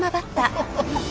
アハハハ。